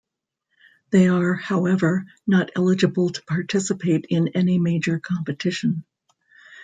They are, however, not eligible to participate in any major competition.